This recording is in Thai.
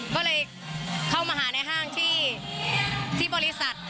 ก็เลยเข้ามาหาในห้างที่บริษัท